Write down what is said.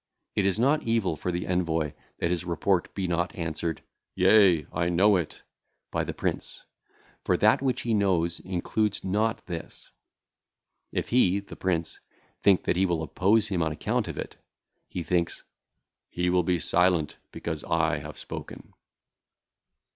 It is not evil for the envoy that his report be not answered, 'Yea, I know it,' by the prince; for that which he knoweth includeth not [this]. If he (the prince) think that he will oppose him on account of it, [he thinketh] 'He will be silent because I have spoken.'